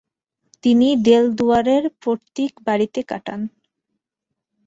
তিনি দেলদুয়ারের পৈতৃক বাড়িতে কাটান।